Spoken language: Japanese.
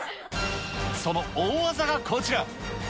その大技がこちら。